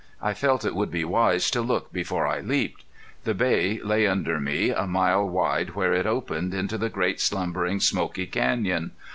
I felt it would be wise to look before I leaped. The Bay lay under me, a mile wide where it opened into the great slumbering smoky canyon.